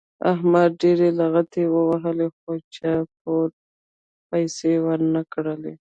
احمد ډېرې لغتې ووهلې خو چا پور پیسې ور نه کړلې.